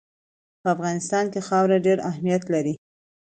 په افغانستان کې خاوره ډېر اهمیت لري.